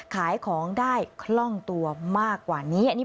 ขายของได้คล่องตัวมากกว่านี้